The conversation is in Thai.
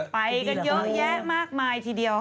ไปกันเยอะแยะมากมายทีเดียว